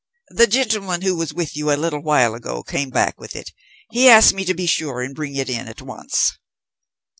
"The gentleman who was with you a little while ago came back with it. He asked me to be sure and bring it in at once."